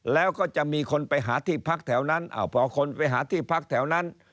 แล้วก็จะมีคนไปหาที่พักแถวนั้นพอคนไปหาที่พักแถวนั้น